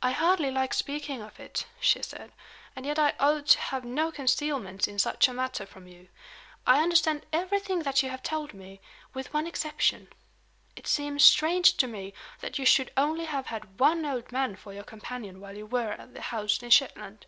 "I hardly like speaking of it," she said. "And yet I ought to have no concealments in such a matter from you. I understand everything that you have told me with one exception. It seems strange to me that you should only have had one old man for your companion while you were at the house in Shetland."